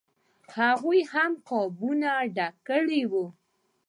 هغوی هم قابونه ډک کړي وو.